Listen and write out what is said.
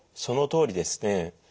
そのとおりですね。